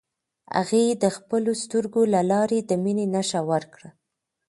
هغې د خپلو سترګو له لارې د مینې نښه ورکړه.